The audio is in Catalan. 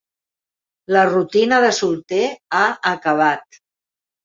La rutina de solter ha acabat.